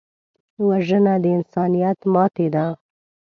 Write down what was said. وژنه د انسانیت ماتې ده